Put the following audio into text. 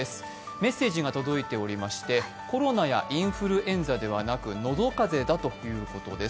メッセージが届いておりましてコロナやインフルエンザではなく喉風邪だということです。